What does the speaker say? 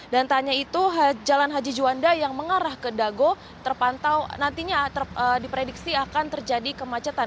dan tanya itu jalan haji juanda yang mengarah ke dago terpantau nantinya diprediksi akan terjadi kemacetan